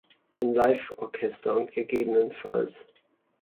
Ein Live-Orchester und ggf.